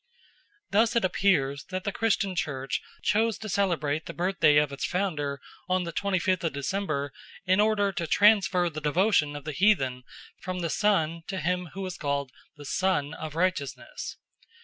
Thus it appears that the Christian Church chose to celebrate the birthday of its Founder on the twenty fifth of December in order to transfer the devotion of the heathen from the Sun to him who was called the Sun of Righteousness.